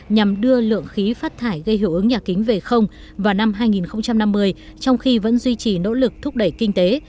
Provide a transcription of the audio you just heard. nhằm đưa lượng khí phát thải gây hiệu ứng nhà kính về vào năm hai nghìn năm mươi trong khi vẫn duy trì nỗ lực thúc đẩy kinh tế